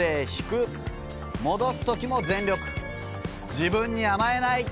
自分に甘えない！